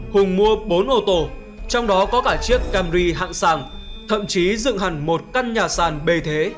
hùng mua bốn ô tô trong đó có cả chiếc camry hạng sàn thậm chí dựng hẳn một căn nhà sàn bề thế